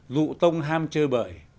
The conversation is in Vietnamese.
dụ tông ham chơi bời